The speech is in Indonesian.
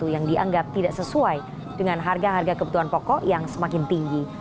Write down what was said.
yang dianggap tidak sesuai dengan harga harga kebutuhan pokok yang semakin tinggi